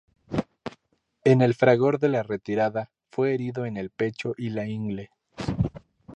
En el fragor de la retirada, fue herido en el pecho y la ingle.